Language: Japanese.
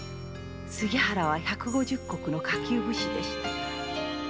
杉原は百五十石の下級武士でした。